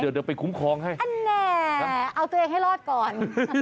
เดี๋ยวไปคุ้มครองให้อันแน่เอาตัวเองให้รอดก่อน